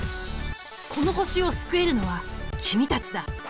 この星を救えるのは君たちだ。